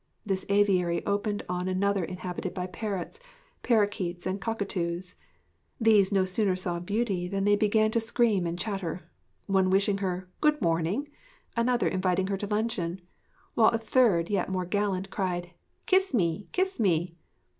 This aviary opened on another inhabited by parrots, parroquets, and cockatoos. These no sooner saw Beauty than they began to scream and chatter; one wishing her 'Good morning,' another inviting her to luncheon, while a third yet more gallant cried 'Kiss me! Kiss me!'